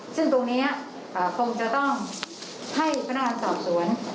ซึ่งตรงนี้คงจะต้องให้พนักงานสอบสวน